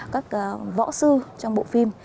các võ sư trong bộ phim